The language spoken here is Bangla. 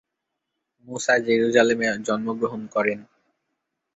মুসা জেরুজালেমে জন্মগ্রহণ করেন।